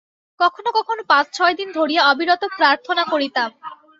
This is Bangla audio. কখনও কখনও পাঁচ ছয় দিন ধরিয়া অবিরত প্রার্থনা করিতাম।